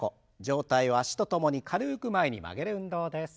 上体を脚と共に軽く前に曲げる運動です。